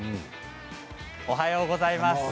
おはようございます。